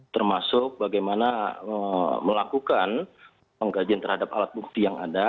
termasuk bagaimana melakukan pengkajian terhadap alat bukti yang ada